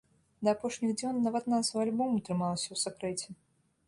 Да апошніх дзён нават назва альбому трымалася ў сакрэце.